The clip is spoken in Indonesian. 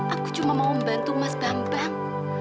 aku cuma mau membantu mas bambang